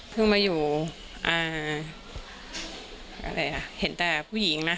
เพิ่งมาอยู่เห็นแต่ผู้หญิงนะ